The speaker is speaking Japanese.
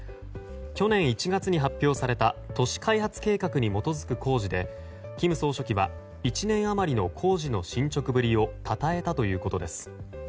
去年１月に発表された都市開発計画に基づく工事で金総書記は１年余りの工事の進捗ぶりをたたえたということです。